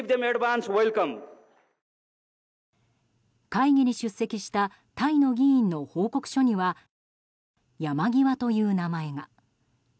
会議に出席したタイの議員の報告書には「ヤマギワ」という名前が。